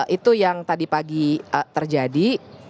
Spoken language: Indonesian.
itu yang tadi pagi terjadi